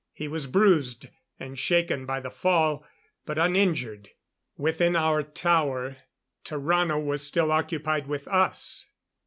He was bruised and shaken by the fall, but uninjured. Within our tower, Tarrano was still occupied with us.